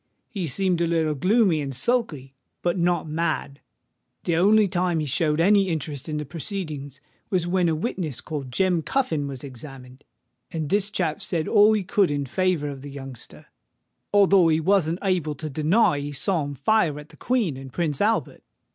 He seemed a little gloomy and sulky—but not mad. The only time he showed any interest in the proceedings, was when a witness called Jem Cuffin was examined; and this chap said all he could in favour of the youngster, although he wasn't able to deny that he saw him fire at the Queen and Prince Albert.